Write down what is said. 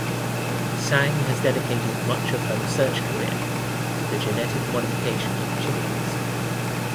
Sang has dedicated much of her research career to the genetic modification of chickens.